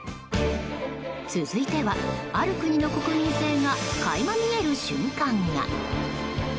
続いては、ある国の国民性が垣間見える瞬間が。